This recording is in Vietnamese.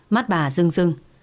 mắt bà rưng rưng